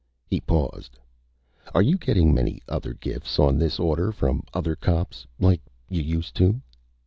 He paused. "Are you gettin' many other gifts on this order, from other cops? Like you used to?"